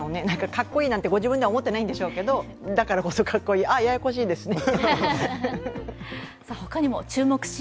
かっこいいなんて、ご自分では思ってないでしょうけど、だからこそかっこいいああ、ややこしいですね。